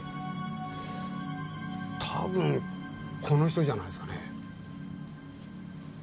多分この人じゃないですかね。